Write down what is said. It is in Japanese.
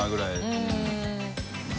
うん。